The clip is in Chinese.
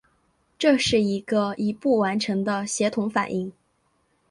这是一个一步完成的协同反应。